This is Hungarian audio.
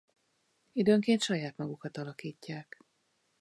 Időnként saját magukat alakítják.